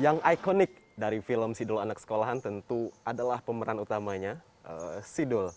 yang ikonik dari film sidul anak sekolahan tentu adalah pemeran utamanya sidul